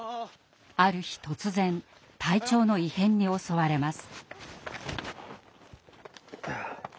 ある日突然体調の異変に襲われます。